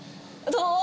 どう？